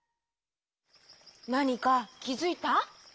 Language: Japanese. なにかきづいた？